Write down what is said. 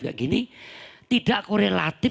seperti ini tidak korelatif